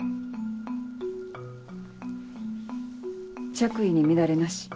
着衣に乱れなし。